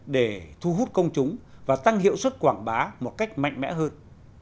để thu hút công chúng và tăng hiệu suất quảng bá một cách mạnh mẽ hơn